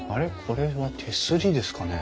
これは手すりですかね？